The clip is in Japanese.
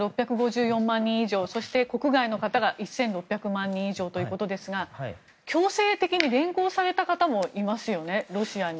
国内避難者６５４万人以上国外避難者１６００万人以上ということですが強制的に連行された方もいますよね、ロシアに。